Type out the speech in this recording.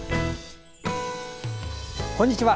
こんにちは。